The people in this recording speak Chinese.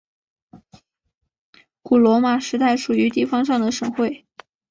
古罗马时代属于地方上的省会。